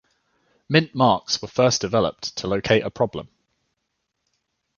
Mint marks were first developed to locate a problem.